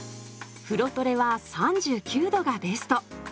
風呂トレは３９℃がベスト。